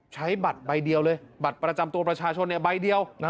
ใช้บัตรใบเดียวเลยบัตรประจำตัวประชาชนใบเดียว